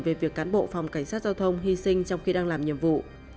về việc cán bộ phòng cảnh sát giao thông hy sinh trong khi đang làm nhiệm vụ